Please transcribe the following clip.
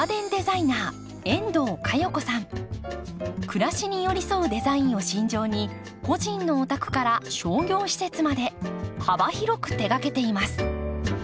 「暮らしに寄り添うデザイン」を信条に個人のお宅から商業施設まで幅広く手がけています。